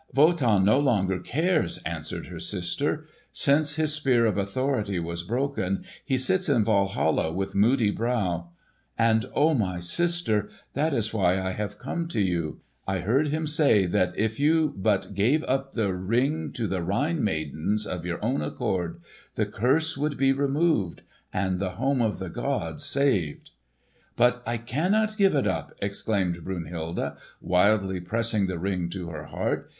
"Wotan no longer cares," answered her sister. "Since his Spear of Authority was broken he sits in Walhalla with moody brow. And, O my sister! that is why I have come to you! I heard him say that if you but gave up the Ring to the Rhine maidens, of your own accord, the curse would be removed, and the home of the gods saved." "But I cannot give it up!" exclaimed Brunhilde, wildly pressing the Ring to her heart.